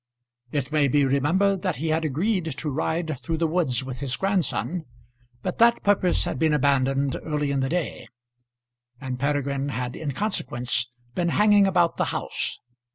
It may be remembered that he had agreed to ride through the woods with his grandson; but that purpose had been abandoned early in the day, and Peregrine had in consequence been hanging about the house.